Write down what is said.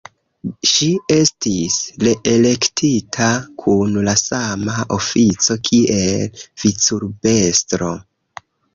Ŝi estis reelektita kun la sama ofico kiel vicurbestro.